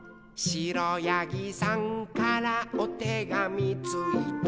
「くろやぎさんからおてがみついた」